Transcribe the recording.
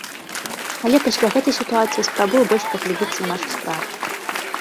Але пасля гэтай сітуацыі спрабую больш паглыбіцца ў нашы справы.